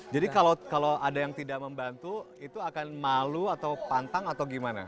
jadi kalau ada yang tidak membantu itu akan malu atau pantang atau gimana